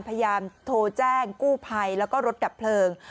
พยายามโทรแจ้งกู้ภัยแล้วก็รถดับเพลิง